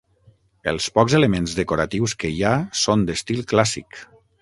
Els pocs elements decoratius que hi ha són d'estil clàssic.